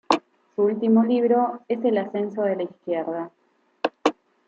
Su último libro es "El Ascenso de la Izquierda.